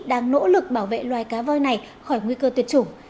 đang nỗ lực bảo vệ loài cá voi này khỏi nguy cơ tuyệt chủng